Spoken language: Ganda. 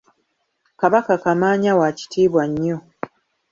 Kabaka Kamaanya wa kitiibwa nnyo.